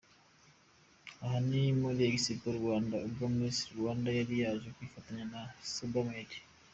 Aha ni muri Expo Rwanda ubwo Miss Rwanda yari yaje kwifatanya na SebaMed.